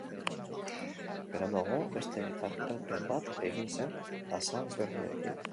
Beranduago beste argitalpen bat egin zen azal ezberdinekin.